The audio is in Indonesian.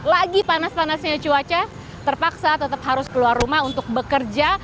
lagi panas panasnya cuaca terpaksa tetap harus keluar rumah untuk bekerja